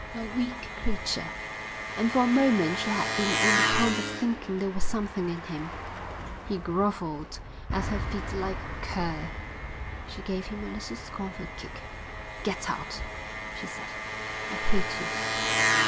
A weak creature! And for a moment she had been on the point of thinking there was something in him. He grovelled at her feet like a cur. She gave him a little scornful kick. "Get out," she said. "I hate you."